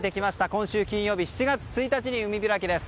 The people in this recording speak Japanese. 今週金曜日、７月１日に海開きです。